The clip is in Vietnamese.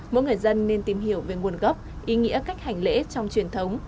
mỗi người dân nên tìm hiểu về nguồn gốc ý nghĩa cách hành lễ trong truyền thống